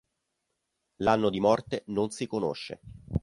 L'anno di morte non si conosce.